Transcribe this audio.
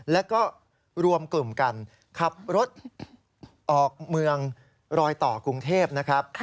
แล้วก็รวมกลุ่มกันขับรถออกเมืองรอยต่อกรุงเทพนะครับ